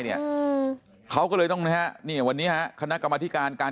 เนี่ยเขาก็เลยต้องนะฮะเนี่ยวันนี้ฮะคณะกรรมธิการการ